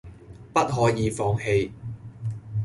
不可以放棄！